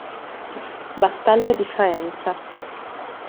Battaglia di Faenza